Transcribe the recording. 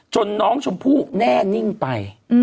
น้องชมพู่แน่นิ่งไป